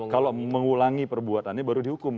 kalau mengulangi perbuatannya baru dihukum